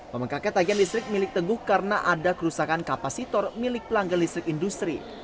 memengkaknya tagihan listrik milik teguh karena ada kerusakan kapasitor milik pelanggan listrik industri